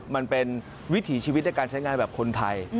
มันเป็นวิถีชีวิตในการใช้งานแบบคนไทย